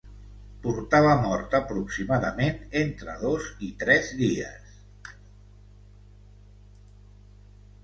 Portava mort aproximadament entre dos i tres dies.